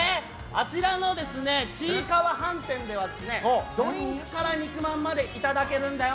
あちらのちいかわ飯店ではドリンクから肉まんまでいただけるんだよ